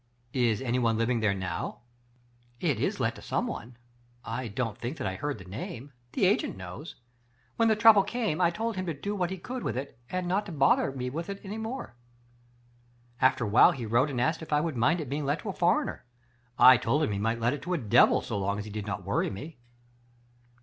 " Is anyone living there now ?"" It is let to someone. I don't think that I heard the name. The agent knows. When the trouble came I told him to do what he could with it, and not to bother me with it any more. After Digitized by Google I20 THE FATE OF FEN ELLA, a while he wrote and asked if I would mind it being let to a foreigner? I told him he might let it to a devil so long as he did not worry me.